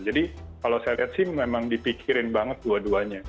jadi kalau saya lihat sih memang dipikirkan banget dua duanya